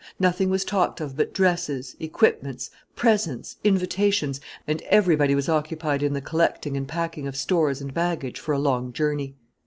Nothing was talked of but dresses, equipments, presents, invitations, and every body was occupied in the collecting and packing of stores and baggage for a long journey.